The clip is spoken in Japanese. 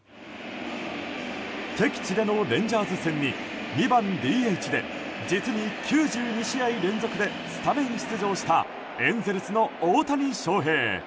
敵地でのレンジャーズ戦に２番ＤＨで実に９２試合連続でスタメン出場したエンゼルスの大谷翔平。